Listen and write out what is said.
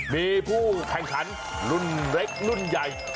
มีผู้แข่งขันรุ่นเล็กรุ่นใหญ่